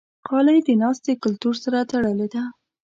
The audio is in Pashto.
غالۍ د ناستې کلتور سره تړلې ده.